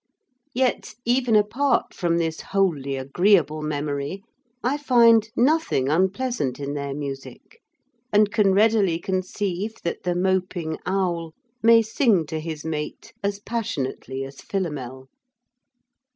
Yet, even apart from this wholly agreeable memory, I find nothing unpleasant in their music, and can readily conceive that the moping owl may sing to his mate as passionately as Philomel.